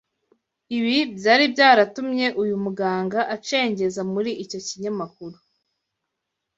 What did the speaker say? Ibi byari byaratumye uyu muganga acengeza muri icyo kinyamakuru